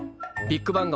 ビッグバン！